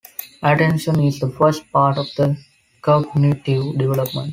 Attention is the first part of cognitive development.